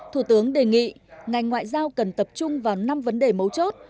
thủ tướng đề nghị ngành ngoại giao cần tập trung vào năm vấn đề mấu chốt